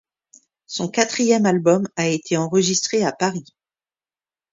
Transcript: Son quatrième album a été enregistré à Paris.